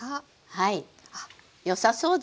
はい。